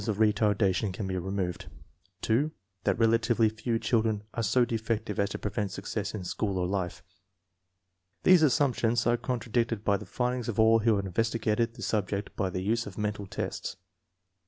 of re tardation can be removed ";(&)" that relatively few children are so defective as to prevent success in school or life." These assumptions are contradicted by the findings of all who have investigated the sub ject by the use of mental tests.